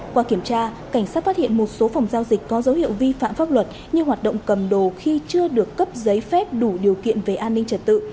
qua kiểm tra cảnh sát phát hiện một số phòng giao dịch có dấu hiệu vi phạm pháp luật như hoạt động cầm đồ khi chưa được cấp giấy phép đủ điều kiện về an ninh trật tự